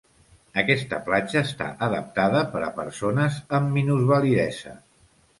Aquesta platja està adaptada per a persones amb minusvalidesa.